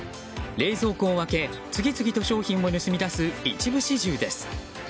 冷蔵庫を開け次々と商品を盗み出す一部始終です。